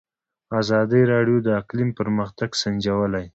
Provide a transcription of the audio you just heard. ازادي راډیو د اقلیم پرمختګ سنجولی.